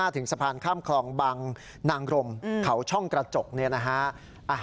ถึงสะพานข้ามคลองบังนางรมเขาช่องกระจกเนี่ยนะฮะ